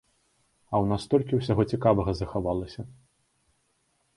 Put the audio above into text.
А ў нас столькі ўсяго цікавага захавалася!